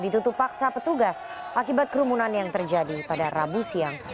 ditutup paksa petugas akibat kerumunan yang terjadi pada rabu siang